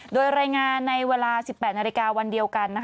โดยรายงานในเวลา๑๘นาฬิกาวันเดียวกัน